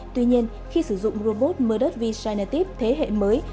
tuy nhiên khi sử dụng robot mirdot v signative thế hệ mới